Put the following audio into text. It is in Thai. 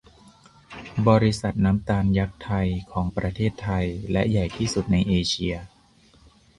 บริษัทน้ำตาลยักษ์ไทยของประเทศไทยและใหญ่ที่สุดในเอเชีย